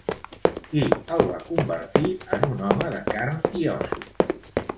Qui el va convertir en un home de carn i ossos?